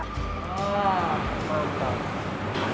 ini juga terbuat dari buah